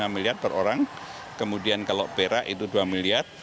lima miliar per orang kemudian kalau perak itu dua miliar